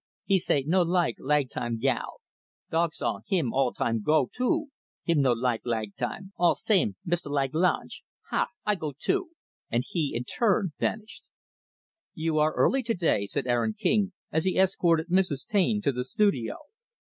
He say no like lagtime gal. Dog Cza', him all time gone, too; him no like lagtime all same Miste' Laglange. Ha! I go, too," and he, in turn, vanished. "You are early, to day," said Aaron King, as he escorted Mrs. Taine to the studio.